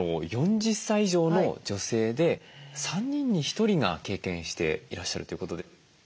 ４０歳以上の女性で３人に１人が経験していらっしゃるということで。